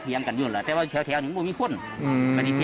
พิชกันเค้าว่าคิดว่าจะเป็นหรือเป็นนี้มั้ยครับ